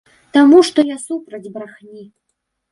Таму што я супраць брахні.